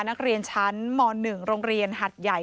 นักเรียนชั้นม๑โรงเรียนหัดใหญ่